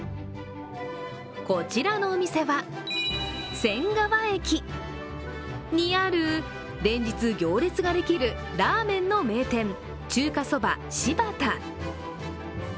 こちらのお店は仙川駅にある連日、行列ができるラーメンの名店中華そばしば田。